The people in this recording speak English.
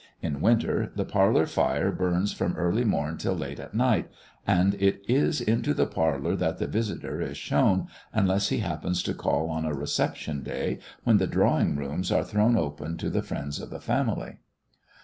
In winter the parlour fire burns from early morn till late at night, and it is into the parlour that the visitor is shewn, unless he happens to call on a reception day, when the drawing rooms are thrown open to the friends of the family.